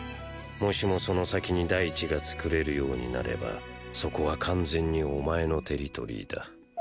もしもその先に大地が作れるようになればそこは完全にお前のテリトリーだ。！